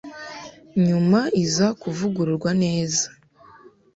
nyuma iza kuvugururwa neza